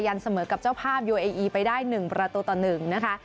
ยันเสมอกับเจ้าภาพยูเอเอไปได้หนึ่งประตูต่อหนึ่งนะคะ